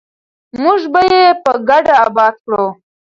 موږ به یې په ګډه اباد کړو.